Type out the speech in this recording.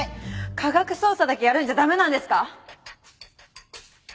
科学捜査だけやるんじゃ駄目なんですか？